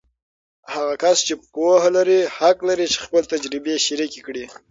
هغه کس چې پوهه لري، حق لري چې خپله تجربې شریکې کړي.